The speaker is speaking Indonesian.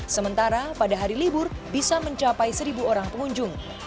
sementara pada hari libur bisa mencapai seribu orang pengunjung